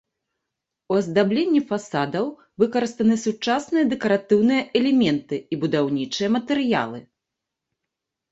У аздабленні фасадаў выкарыстаны сучасныя дэкаратыўныя элементы і будаўнічыя матэрыялы.